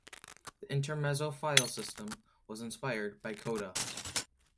The InterMezzo file system was inspired by Coda.